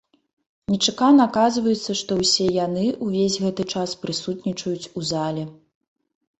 Нечакана аказваецца, што ўсе яны ўвесь гэты час прысутнічаюць у зале.